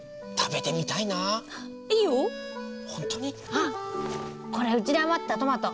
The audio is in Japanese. あっこれうちで余ったトマト！